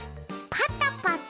パタパタ？